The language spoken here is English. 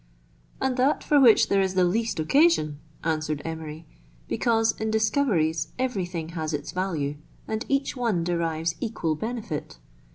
" And that for which there is the least occasion," answered Emery, " because in discoveries every thing has its value, and each one derives equal benefit.